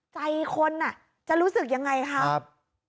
ใจคนจะรู้สึกยังไงครับ